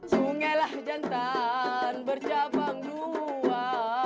sungailah jantan berjabang dua